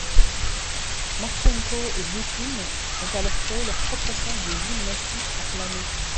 Marchenko et Liukin ont alors créer leur propre salle de gymnastique à Plano.